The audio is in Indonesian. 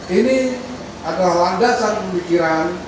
ini adalah landasan pemikiran